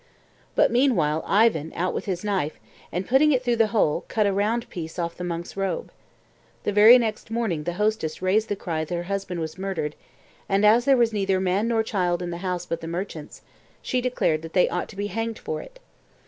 But meanwhile Ivan out with his knife, and putting it through the hole, cut a round piece off the monk's robe. The very next morning the hostess raised the cry that her husband was murdered, and as there was neither man nor child in the house but the merchants, she declared they ought to be hanged for it.